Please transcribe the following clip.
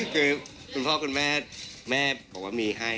คือคุณพ่อคุณแม่แม่บอกว่ามีให้